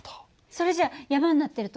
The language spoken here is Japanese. それじゃ山になってるところは。